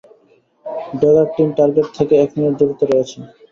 Dagger team target থেকে এক minute দূরত্বে রয়েছে।